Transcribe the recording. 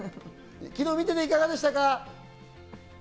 昨日見ていていかがでしたか？